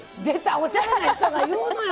おしゃれな人が言うのよ！